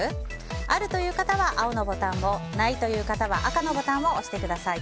あるという方は青のボタンをないという方は、赤のボタンを押してください。